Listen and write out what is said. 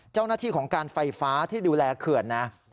เจ้าหน้าที่ของการไฟฟ้าที่ดูแลเขื่อนนะ